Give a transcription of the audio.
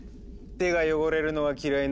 手が汚れるのは嫌いな君が？